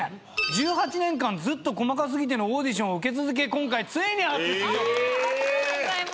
１８年間ずっと『細かすぎて』のオーディションを受け続け今回ついに初出場！おめでとうございます。